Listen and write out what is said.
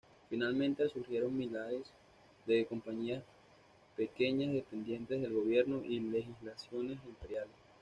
Finalmente surgieron millares de compañías pequeñas dependientes del gobierno y las legislaciones imperiales.